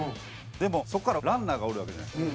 でもそこからランナーがおるわけじゃないですか。